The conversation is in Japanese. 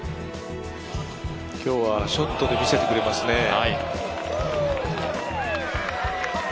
今日はショットで見せてくれますね。